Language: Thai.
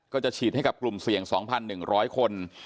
ก็จะฉีดให้กับกลุ่มเสี่ยง๒๑๐๐คน